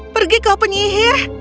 pergi kau penyihir